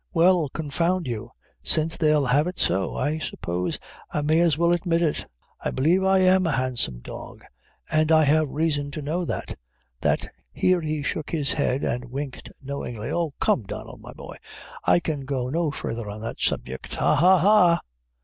"Well, confound you! since they'll have it so, I suppose I may as well admit it I believe I am a handsome dog, and I have reason to know that, that " here he shook his head and winked knowingly: "Oh, come Donnel, my boy, I can go no further on that subject ha! ha! ha!"